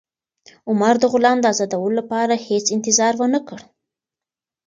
عمر د غلام د ازادولو لپاره هېڅ انتظار ونه کړ.